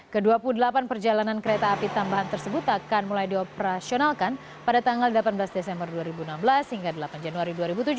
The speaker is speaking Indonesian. ke dua puluh delapan perjalanan kereta api tambahan tersebut akan mulai dioperasionalkan pada tanggal delapan belas desember dua ribu enam belas hingga delapan januari dua ribu tujuh belas